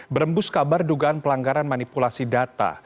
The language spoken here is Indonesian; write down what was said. berembus kabar dugaan pelanggaran manipulasi data